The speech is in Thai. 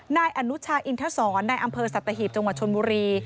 นายอนุชาอินทศรในอำเภอสัตหีบจังหวัดชนบุรี